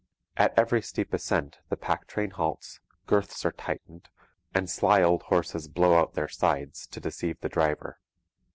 At every steep ascent the pack train halts, girths are tightened, and sly old horses blow out their sides to deceive the driver.